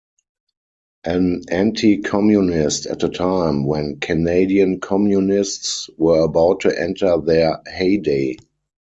An anti-Communist at a time when Canadian Communists were about to enter their heyday.